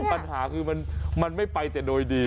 ปัญหาคือมันไม่ไปแต่โดยดี